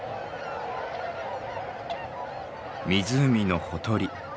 湖のほとり。